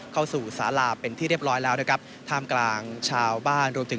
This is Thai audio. สาลาเป็นที่เรียบร้อยแล้วนะครับท่ามกลางชาวบ้านรวมถึง